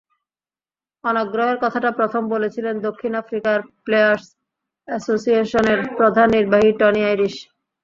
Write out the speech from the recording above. অনাগ্রহের কথাটা প্রথম বলেছিলেন দক্ষিণ আফ্রিকার প্লেয়ার্স অ্যাসোসিয়েশনের প্রধান নির্বাহী টনি আইরিশ।